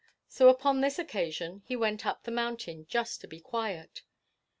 So, upon this occasion, he went up the mountain just to be quiet.